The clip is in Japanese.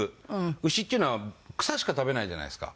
牛っていうのは草しか食べないじゃないですか。